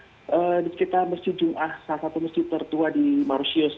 jadi sekitar masjid jum'ah salah satu masjid tertua di mauritius